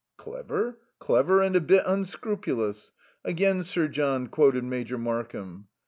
"Clever clever and a bit unscrupulous." Again Sir John quoted Major Markham.